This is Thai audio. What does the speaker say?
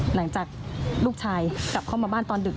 หลังจากลูกชายกลับเข้ามาบ้านตอนดึก